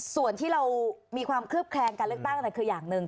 ส่วนที่เรามีความเคลือบแคลงการเลือกตั้งคืออย่างหนึ่ง